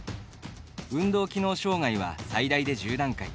運動機能障がいは最大で１０段階。